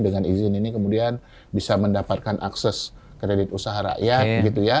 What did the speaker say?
dengan izin ini kemudian bisa mendapatkan akses kredit usaha rakyat gitu ya